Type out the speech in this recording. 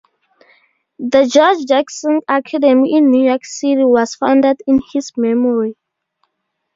The George Jackson Academy in New York City was founded in his memory.